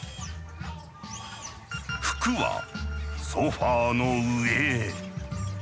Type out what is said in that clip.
服はソファーの上へ。